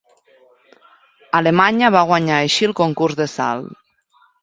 Alemanya va guanyar així el concurs de salt.